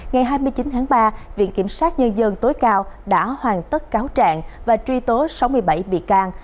ngày hai mươi chín tháng ba viện kiểm sát nhân dân tối cao đã hoàn tất cáo trạng và truy tố sáu mươi bảy bị can